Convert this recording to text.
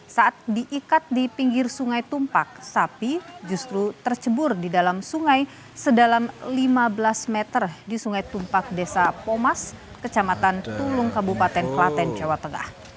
saat diikat di pinggir sungai tumpak sapi justru tercebur di dalam sungai sedalam lima belas meter di sungai tumpak desa pomas kecamatan tulung kabupaten klaten jawa tengah